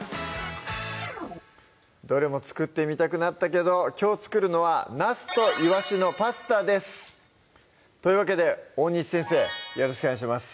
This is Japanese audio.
どれも作ってみたくなったけどきょう作るのは「ナスといわしのパスタ」ですというわけで大西先生よろしくお願いします